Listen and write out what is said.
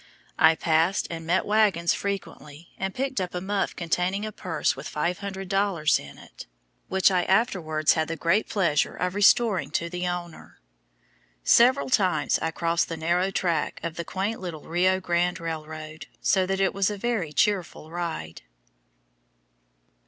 I passed and met wagons frequently, and picked up a muff containing a purse with 500 dollars in it, which I afterwards had the great pleasure of restoring to the owner. Several times I crossed the narrow track of the quaint little Rio Grande Railroad, so that it was a very cheerful ride.